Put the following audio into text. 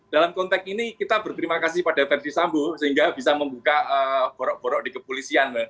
dalam konteks ini kita berterima kasih pada verdi sambo sehingga bisa membuka borok borok di kepolisian